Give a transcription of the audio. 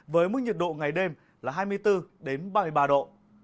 với mức nhiệt độ ngày đêm là hai mươi bốn ba mươi ba độ